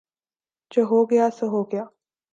جو ہو گیا سو ہو گیا